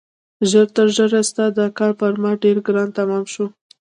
ژر تر ژره ستا دا کار پر ما ډېر ګران تمام شو.